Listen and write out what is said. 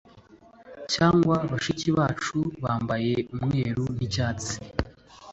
cyangwa bashiki bacu bambaye umweru n'icyatsi